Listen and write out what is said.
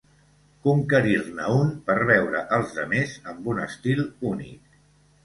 Conquerir-ne un per veure els demés amb un estil únic.